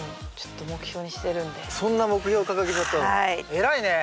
偉いね。